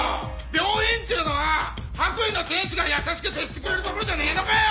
病院っていうのは白衣の天使が優しく接してくれる所じゃねえのかよ！？